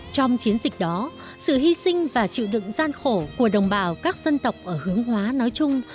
trong chiến dịch đó sự hy sinh và chịu đựng gian khổ của đồng bào các dân tộc ở hướng hóa nói chung